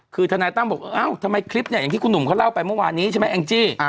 คือทนายตั้มบอกเอ้าทำไมคลิปเนี่ยอย่างที่คุณหนุ่มเขาเล่าไปเมื่อวานนี้ใช่ไหมแองจี้